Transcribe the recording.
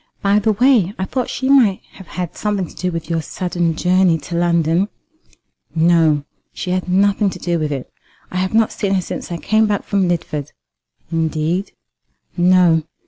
By the way, I thought that she might have had something to do with your sudden journey to London." "No; she had nothing to do with it. I have not seen her since I came back from Lidford." "Indeed!" "No.